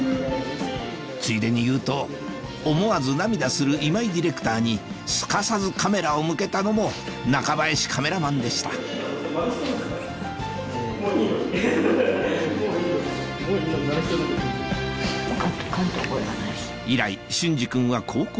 ついでに言うと思わず涙する今井ディレクターにすかさずカメラを向けたのも中林カメラマンでした以来隼司君は孝行